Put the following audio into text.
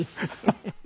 ハハハハ。